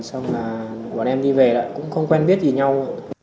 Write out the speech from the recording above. xong là bọn em đi về lại cũng không quen biết gì nhau